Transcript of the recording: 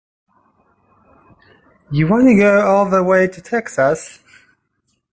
You wanna go all the way to Texas?